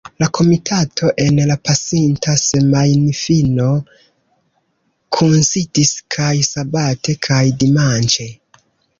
La komitato en la pasinta semajnfino kunsidis kaj sabate kaj dimanĉe.